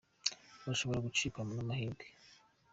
bashobora gucikwa n'amahirwe.